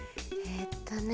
えっとね。